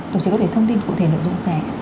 đồng chí có thể thông tin cụ thể nội dung ra ạ